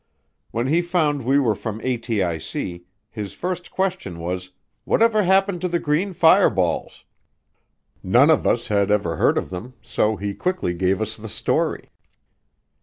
When he found we were from ATIC, his first question was, "What ever happened to the green fireballs?" None of us had ever heard of them, so he quickly gave us the story.